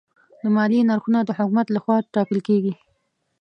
د مالیې نرخونه د حکومت لخوا ټاکل کېږي.